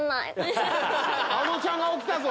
あのちゃんが起きたぞ！